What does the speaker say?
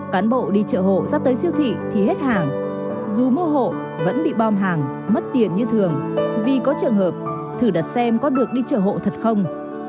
cán bộ đi chợ hộ ra tới siêu thị thì hết hàng dù mua hộ vẫn bị bom hàng mất tiền như thường vì có trường hợp thử đặt xem có được đi chợ hộ thật không